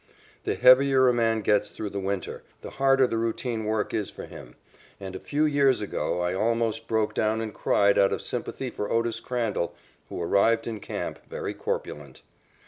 The heavier a man gets through the winter, the harder the routine work is for him, and a few years ago I almost broke down and cried out of sympathy for Otis Crandall, who arrived in camp very corpulent.